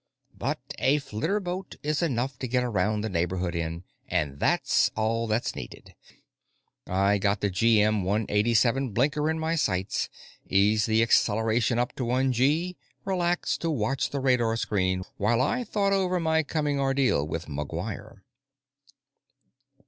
But a flitterboat is enough to get around the neighborhood in, and that's all that's needed. I got the GM 187 blinker in my sights, eased the acceleration up to one gee, relaxed to watch the radar screen while I thought over my coming ordeal with McGuire.